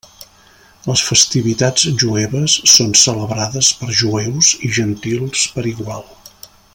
Les festivitats jueves són celebrades per jueus i gentils per igual.